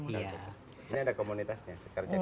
di sini ada komunitasnya